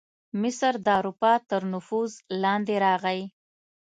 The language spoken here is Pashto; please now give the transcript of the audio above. مصر د اروپا تر نفوذ لاندې راغی.